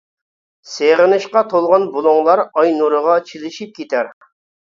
سېغىنىشقا تولغان بۇلۇڭلار ئاي نۇرىغا چىلىشىپ كېتەر.